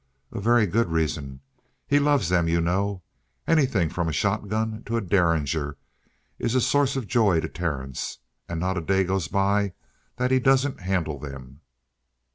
"A very good reason. He loves them, you know. Anything from a shotgun to a derringer is a source of joy to Terence. And not a day goes by that he doesn't handle them."